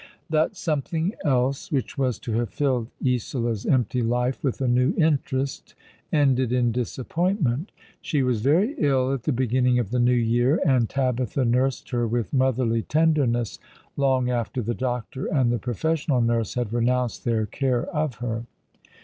'* That " something else " which was to have filled Isola's empty life with a new interest, ended in disappointment. She was very ill at the beginning of the new year, and Tabitha nursed her with motherly tenderness long after the doctor and the professional nurse had renounced their care ''But the Days drop One by One!' 27 of her.